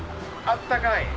あったかい。